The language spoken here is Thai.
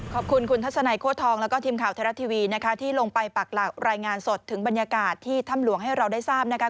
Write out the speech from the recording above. ขอบคุณคุณทัศนัยโค้ทองแล้วก็ทีมข่าวไทยรัฐทีวีนะคะที่ลงไปปักหลักรายงานสดถึงบรรยากาศที่ถ้ำหลวงให้เราได้ทราบนะคะ